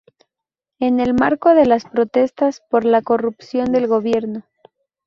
En el marco de las protestas por la corrupción del gobierno.